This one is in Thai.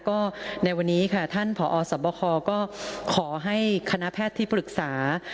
ก็ในวันนี้ค่ะท่านผอสบคก็ขอให้คณะแพทย์ที่ปรึกษา